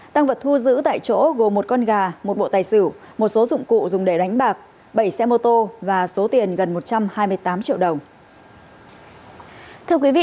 tăng vật thu giữ tại chỗ gồm một con gà một bộ tài xử một số dụng cụ dùng để đánh bạc bảy xe mô tô và số tiền gần một trăm hai mươi tám triệu đồng